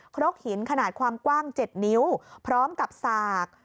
ครกหินขนาดความกว้าง๗นิ้วพร้อมกับสาก